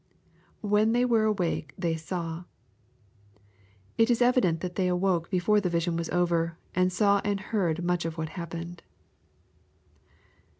[When ihey were awake, they aaw?^ It is evident that they awoke before the vision was over, and saw and heard much or what happened.